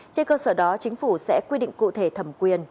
trên cơ sở đó chính phủ sẽ quy định cụ thể thẩm quyền